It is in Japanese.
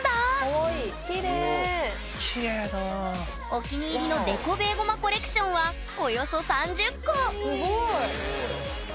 お気に入りのデコベーゴマコレクションはおよそ３０個すごい。